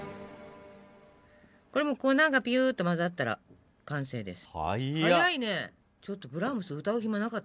これ、もう粉がぴゅっと混ざったら完成です。